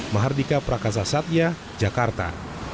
mahardika prakasa satya jakarta